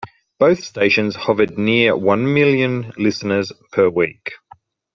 Both stations hovered near one million listeners per week.